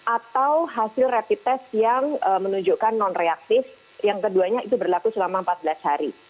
atau hasil rapid test yang menunjukkan non reaktif yang keduanya itu berlaku selama empat belas hari